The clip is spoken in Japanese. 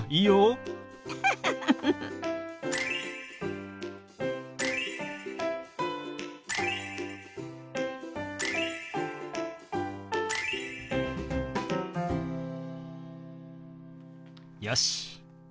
よし。